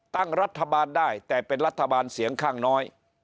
ตั้งรัฐบาลได้แต่เป็นรัฐบาลเสียงข้างน้อย